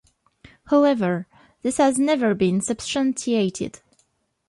However, this has never been substantiated.